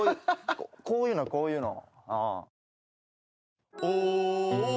こういうのこういうの。